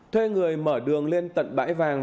thuê người mở đường lên tận bãi vàng